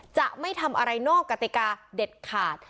จะไม่ทำอะไรนอกกติกาเด็ดขาด